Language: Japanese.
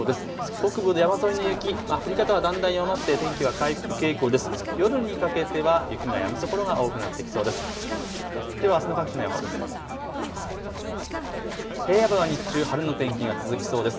北部の山沿いの雪、降り方はだんだん弱まって天気は回復傾向です。